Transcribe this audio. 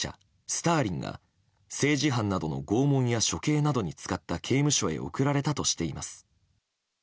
スターリンが政治犯などの拷問や処刑などに使った刑務所に送られたとしています。